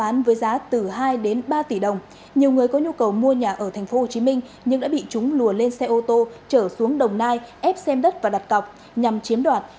nhiều người có nhu cầu mua nhà ở tp hcm nhưng đã bị chúng lùa lên xe ô tô trở xuống đồng nai ép xem đất và đặt cọc nhằm chiếm đoạt